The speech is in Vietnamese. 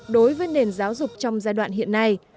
đối với nền giáo dục trong giai đoạn hiện nay